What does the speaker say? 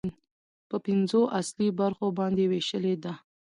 په پنځو اصلي برخو باندې ويشلې ده